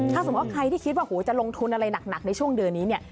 ถ้าสมมุติว่าใครที่คิดว่าจะลงทุนอะไรหนักในช่วงเดือนนี้เนี่ย